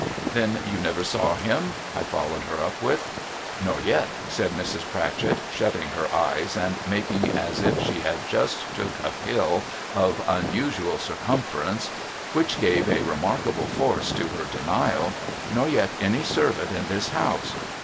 ' Then you never saw him ?' I followed her up with. ' Nor yet,' said Mrs. Pratchett, shutting her eyes and making as if she had just took a pill of unusual circumference, — which gave a remarkable force to her denial, —' nor yet any servant in this house.